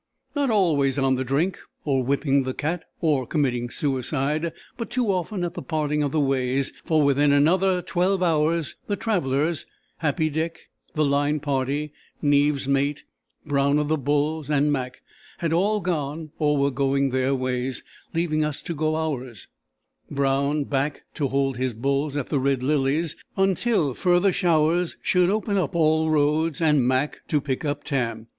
Not always on the drink, or whipping the cat, or committing suicide, but too often at the Parting of the Ways, for within another twelve hours the travellers, Happy Dick, the Line Party, Neaves' mate, Brown of the Bulls, and Mac, had all gone or were going their ways, leaving us to go ours—Brown back to hold his bulls at the Red Lilies until further showers should open up all roads, and Mac to "pick up Tam."